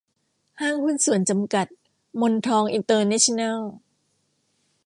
ห้างหุ้นส่วนจำกัด มนทองอินเตอร์เนชั่นแนล